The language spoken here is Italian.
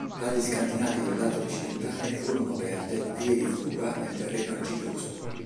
Dagli scantinati del lato occidentale furono aperte vie di fuga nel terreno argilloso.